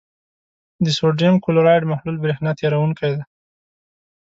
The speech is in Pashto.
د سوډیم کلورایډ محلول برېښنا تیروونکی دی.